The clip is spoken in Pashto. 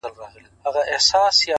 ریښتینی ملګری حقیقت نه پټوي.!